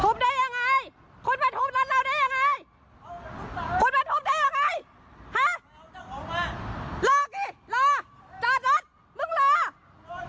ทุบได้ยังไง